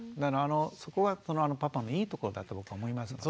そこはこのパパのいいとこだと思いますよね。